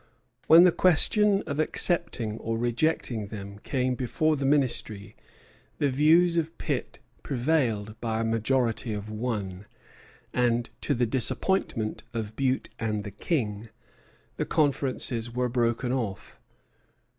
When the question of accepting or rejecting them came before the Ministry, the views of Pitt prevailed by a majority of one, and, to the disappointment of Bute and the King, the conferences were broken off.